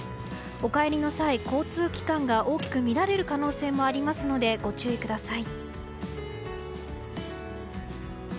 お帰りの際、交通機関が大きく乱れる可能性もあるのでご注意ください。